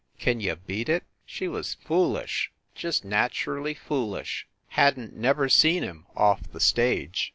Can you beat it? She was foolish. Just naturally foolish! Hadn t never seen him off the stage